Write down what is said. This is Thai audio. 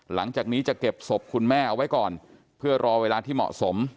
หลังจากนี้จะเก็บศพคุณแม่เอาไว้ก่อนเพื่อรอเวลาที่เหมาะสม